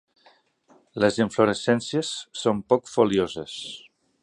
Les inflorescències són poc folioses.